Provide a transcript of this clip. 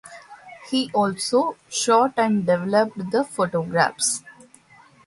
He also shot and developed the photographs.